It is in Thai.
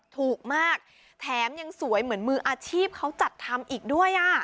ถูกมากแถมยังสวยเหมือนมืออาชีพเขาจัดทำอีกด้วยอ่ะ